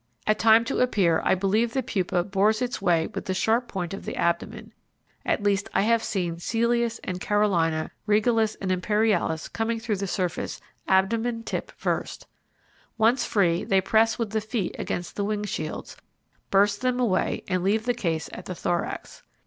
At time to appear I believe the pupa bores its way with the sharp point of the abdomen; at least I have seen Celeus, and Carolina, Regalis and Imperialis coming through the surface, abdomen tip first. Once free, they press with the feet against the wing shields, burst them away and leave the case at the thorax.